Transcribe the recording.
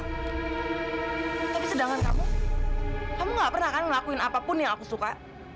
tapi sedangkan kamu kamu gak pernah kan ngelakuin apapun yang aku suka